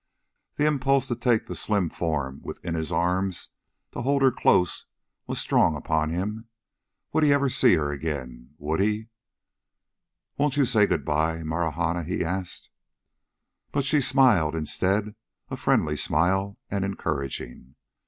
The impulse to take the slim form within his arms, to hold her close, was strong upon him. Would he ever see her again ... would he? "Won't you say good by, Marahna?" he asked. But she smiled, instead a friendly smile, and encouraging.